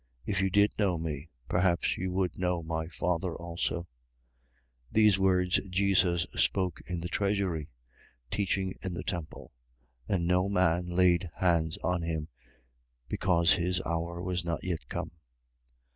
If you did know me, perhaps you would know my Father also. 8:20. These words Jesus spoke in the treasury, teaching in the temple: and no man laid hands on him, because his hour was not yet come.